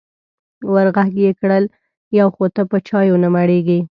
ور غږ یې کړل: یو خو ته په چایو نه مړېږې.